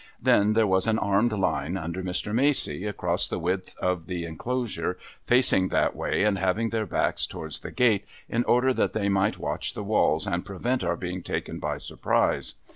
Then, there was an armed line, under Mr. Macey, across the width of the enclosure, facing that way and having their backs towards the gate, in order that they might watch the walls and prevent our being taken by surprise.